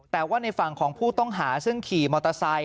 แต่ว่าในฝั่งของผู้ต้องหาซึ่งขี่มอเตอร์ไซค